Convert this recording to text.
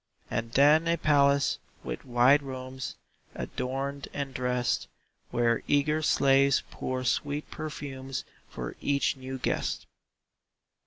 And then a palace, with wide rooms Adorned and dressed, Where eager slaves pour sweet perfumes For each new guest.